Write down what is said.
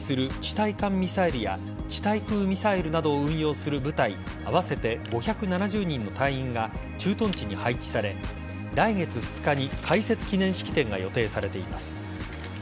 対艦ミサイルや地対空ミサイルなどを運用する部隊合わせて５７０人の隊員が駐屯地に配置され来月２日に開設記念式典が予定されています。